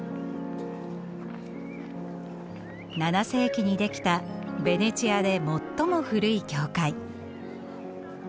７世紀にできたベネチアで最も古い教会。